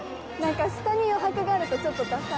下に余白があるとちょっとダサい。